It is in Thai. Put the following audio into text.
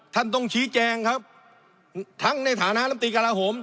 ท่านต้องชี้แจงครับทั้งในฐานะลำตีกระลาโหม